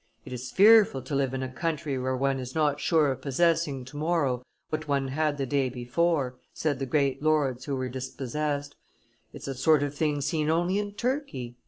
"It is fearful to live in a country where one is not sure of possessing to morrow what one had the day before," said the great lords who were dispossessed; "it's a sort of thing seen only in Turkey."